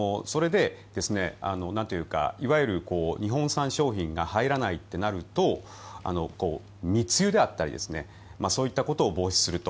それで、いわゆる日本産商品が入らないとなると密輸であったりそういったことを防止すると。